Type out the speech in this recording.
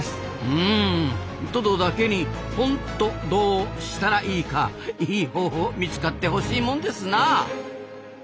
うんトドだけにほんとどしたらいいかいい方法見つかってほしいもんですなあ。